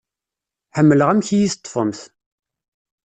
Ḥemmleɣ amek i yi-teṭfemt.